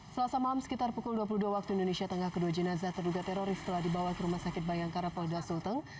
selasa malam sekitar pukul dua puluh dua waktu indonesia tengah kedua jenazah terduga teroris telah dibawa ke rumah sakit bayangkara polda sulteng